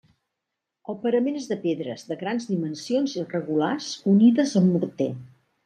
El parament és de pedres de grans dimensions irregulars unides amb morter.